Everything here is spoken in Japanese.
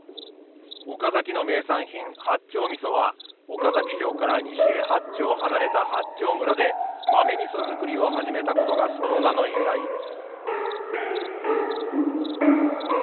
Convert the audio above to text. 岡崎の名産品八丁味は岡崎城から西へ八丁離れた八丁村で豆味造りを始めたことがその名の由来です。